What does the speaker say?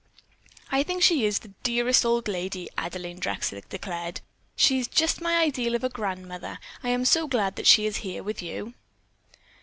'" "I think she is the dearest old lady," Adelaine Drexel declared. "She's just my ideal of a grandmother. I am so glad that she is here with you."